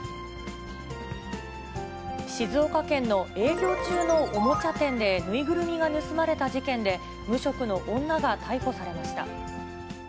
静岡県の営業中のおもちゃ店で縫いぐるみが盗まれた事件で、無職の女が逮捕されました。